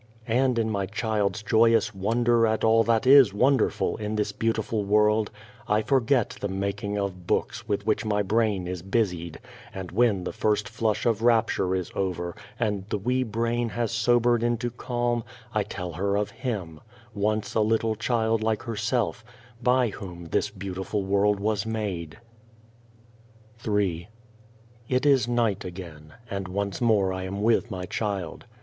And in my child's joyous wonder at all that is wonderful in this beautiful world, I forget the making of books with which my brain is busied, and when the first flush of rapture is over and the wee brain has sobered into calm, I tell her of Him once a little child like her self by Whom this beautiful world was made. Ill IT is night again, and once more I am with my child.